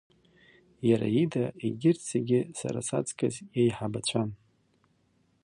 Иара ида егьырҭ зегьы сара саҵкыс иеиҳабацәан.